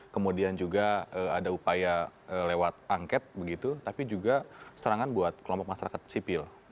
kemudian juga ada upaya lewat angket begitu tapi juga serangan buat kelompok masyarakat sipil